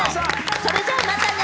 それじゃあまたね！